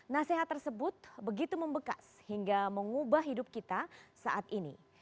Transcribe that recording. nasihat tersebut begitu membekas hingga mengubah hidup kita saat ini